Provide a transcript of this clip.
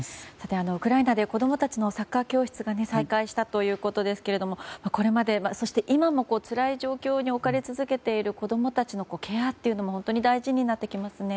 ウクライナで子供たちのサッカー教室が再開したということですけどもこれまで、そして、今もつらい状況に置かれ続けている子供たちのケアというのも本当に大事になってきますね。